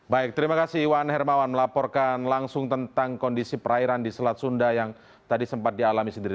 baik terima kasih iwan hermawan melaporkan langsung tentang kondisi perairan di selat sunda yang tadi sempat dialami sendiri